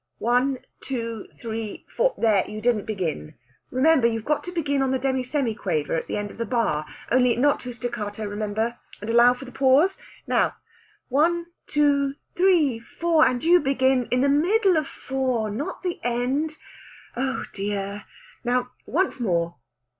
"One two three four! There you didn't begin! Remember, you've got to begin on the demisemiquaver at the end of the bar only not too staccato, remember and allow for the pause. Now one, two, three, four, and you begin in the middle of four not the end. Oh dear! Now once more...."